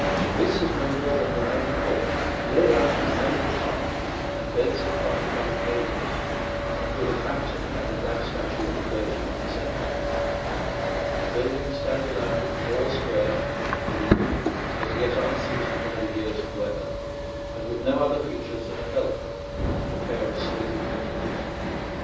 This is no more than the main court, laid out in sandy paths and beds of parti coloured dahlias, and with a fountain and a black statue of the Virgin in the centre. The buildings stand around it four square, bleak, as yet unseasoned by the years and weather, and with no other features than a belfry and a pair of slated gables.